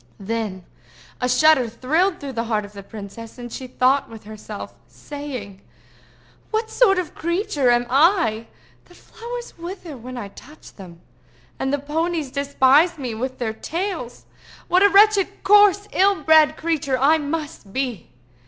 Then a shudder thrilled through the heart of the princess, and she thought with herself, saying—"What sort of a creature am I that the flowers wither when I touch them, and the ponies despise me with their tails? What a wretched, coarse, ill bred creature I must be!